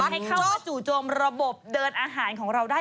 ให้เข้าสู่โจมระบบเดินอาหารของเราได้